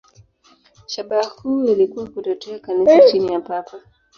Shabaha kuu ilikuwa kutetea Kanisa chini ya Papa.